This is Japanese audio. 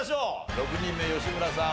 ６人目吉村さん